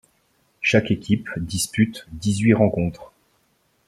Chaque équipe dispute dix-huit rencontres.